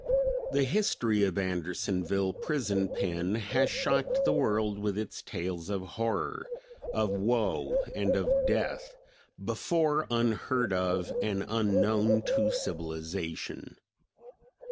"The history of Andersonville prison pen has shocked the world with its tales of horror, of woe, and of death, before unheard of and unknown to civilization.